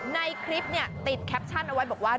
ในคลิปติดแคปชั่นเอาไว้บอกว่า